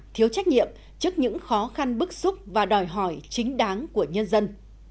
thiếu trách nhiệm trước những khó khăn bức xúc và đòi hỏi chính đáng của nhân dân